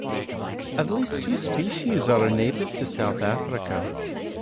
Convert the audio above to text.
At least two species are native to South Africa.